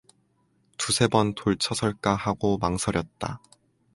두세 번 돌쳐설까 하고 망설였다.